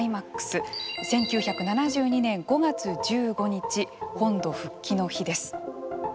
１９７２年５月１５日本土復帰の日です。